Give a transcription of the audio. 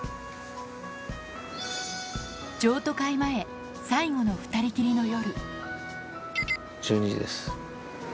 譲渡会前最後の２人きりの夜。